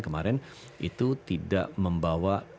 kemarin itu tidak membawa